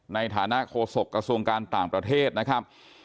ในฐานะโฆษกระทรวงการต่างประเทศนะครับ